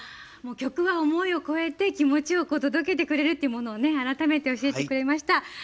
曲は思いを超えて気持ちを届けてくれるっていうの改めて、教えてくれました。